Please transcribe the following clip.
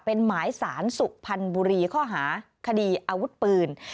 เป็นหมายสารสุพรรณบุรีข้อหาคดีอาวุธปืน